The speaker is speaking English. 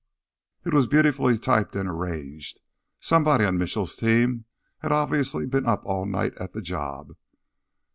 It was beautifully typed and arranged; somebody on Mitchell's team had obviously been up all night at the job.